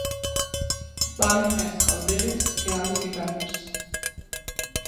Valen més calderes que ales i veles.